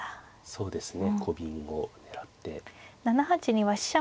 そうですね。